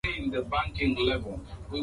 Mnyama kutokwa na ute mrefu mdomoni